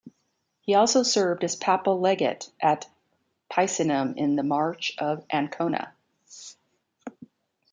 He also served as papal legate at Picenum in the March of Ancona.